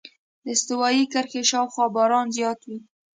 د استوایي کرښې شاوخوا باران زیات وي.